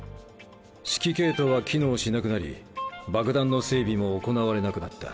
指揮系統は機能しなくなり爆弾の整備も行われなくなった。